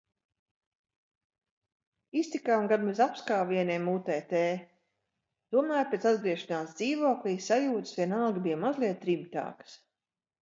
Iztikām gan bez apskāvieniem utt., tomēr pēc atgriešanās dzīvoklī sajūtas vienalga bija mazliet rimtākas.